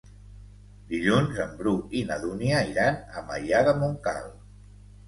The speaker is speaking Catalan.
Dilluns en Bru i na Dúnia iran a Maià de Montcal.